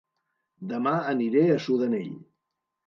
Dema aniré a Sudanell